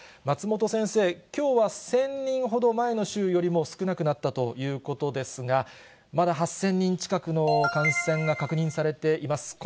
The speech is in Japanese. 松本先生、きょうは１０００人ほど、前の週よりも少なくなったということですが、まだ８０００人近くの感染が確認されています。